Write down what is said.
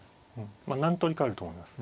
まあ何通りかあると思います。